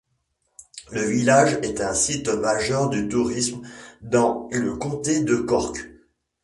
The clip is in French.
Le village est un site majeur du tourisme dans le Comté de Cork.